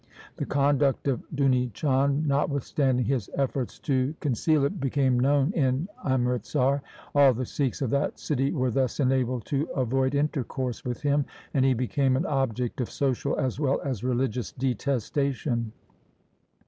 The conduct of Duni Chand, notwithstanding his efforts to con ceal it, became known in Amritsar. All the Sikhs of that city were thus enabled to avoid intercourse with him, and he became an object of social as well as religious detestation.